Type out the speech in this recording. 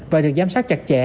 và được giám sát chặt chẽ